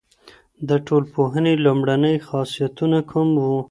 د ټولنپوهنې لومړني خاصيتونه کوم وو؟